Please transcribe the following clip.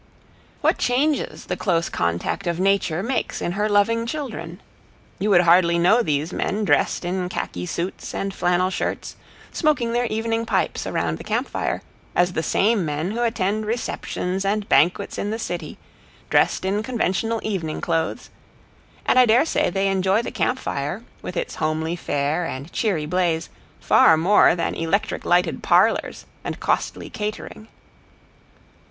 What changes the close contact of nature makes in her loving children! You would hardly know these men dressed in khaki suits and flannel shirts, smoking their evening pipes around the camp fire, as the same men who attend receptions and banquets in the city, dressed in conventional evening clothes; and I dare say they enjoy the camp fire, with its homely fare and cheery blaze, far more than electric lighted parlors and costly catering.